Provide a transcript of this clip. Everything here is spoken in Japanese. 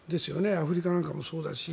アフリカなんかもそうだし。